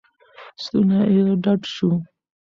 ستونی یې ډډ شو.